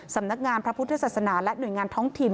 สำนักงานพระพุทธศาสนาและหน่วยงานท้องถิ่น